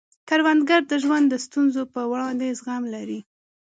کروندګر د ژوند د ستونزو په وړاندې زغم لري